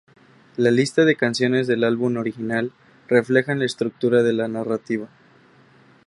La lista de canciones del álbum original reflejan la estructura de la narrativa.